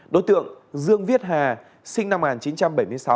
đối tượng dương viết hà sinh năm một nghìn chín trăm bảy mươi sáu